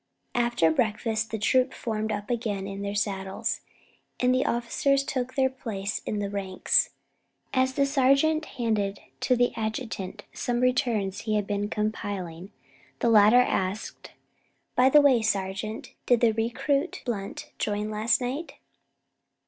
After breakfast the troop formed up again in their saddles, and the officers took their places in the ranks. As the sergeant handed to the adjutant some returns he had been compiling, the latter asked: "By the way, sergeant, did the recruit Blunt join last night?"